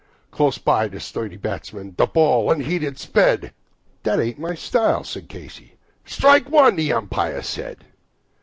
Close by the sturdy batsman the ball unheeded sped "That ain't my style," said Casey. "Strike one," the umpire said.